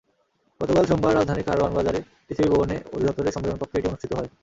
গতকাল সোমবার রাজধানীর কারওয়ান বাজারে টিসিবি ভবনে অধিদপ্তরের সম্মেলনকক্ষে এটি অনুষ্ঠিত হয়।